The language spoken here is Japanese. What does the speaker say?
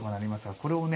これをね